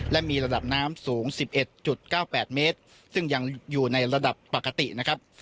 และมีระดับน้ำสูง๑๑๙๘เมตรซึ่งยังอยู่ในระดับปกตินะครับ